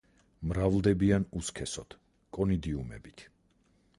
მრავლდებიან უსქესოდ, კონიდიუმებით.